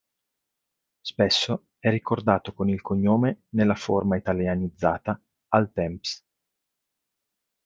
Spesso è ricordato con il cognome nella forma italianizzata "Altemps".